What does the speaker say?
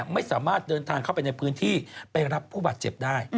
ไม่สามารถเดินทางเข้าไปในพื้นที่ไปรับผู้บาดเจ็บได้